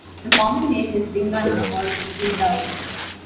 The common name is "zingana" or zebrawood.